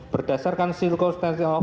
berdasarkan silko stensil of death